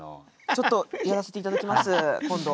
ちょっとやらせて頂きます今度。